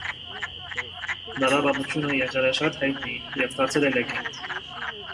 Նրա պատմությունը եղել է շատ հայտնի և դարձել է լեգենդ։